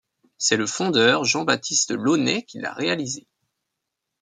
C'est le fondeur Jean-Baptiste Launay qui l'a réalisée.